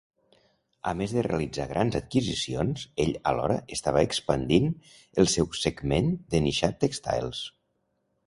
A més de realitzar grans adquisicions, ell alhora estava expandint el seu segment de Nishat Textiles.